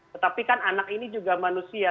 tetapi kan anak ini juga manusia